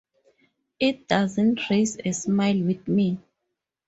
It doesn't raise a smile with me.